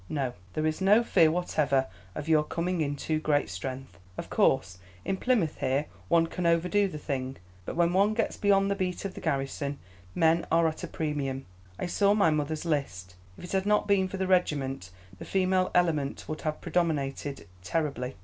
No, there is no fear whatever of your coming in too great strength. Of course, in Plymouth here, one can overdo the thing, but when one gets beyond the beat of the garrison, men are at a premium. I saw my mother's list; if it had not been for the regiment the female element would have predominated terribly.